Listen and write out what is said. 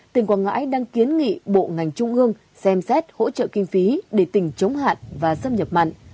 tỉnh quảng ngãi đang kiến nghị bộ ngành trung ương xem xét hỗ trợ kinh phí để tỉnh chống hạn và xâm nhập mặn